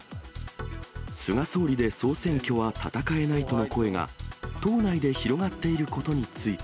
菅総理で総選挙は戦えないとの声が、党内で広がっていることについて。